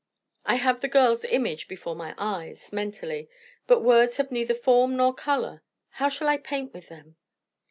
I have the girl's image before my eyes, mentally, but words have neither form nor colour; how shall I paint with them?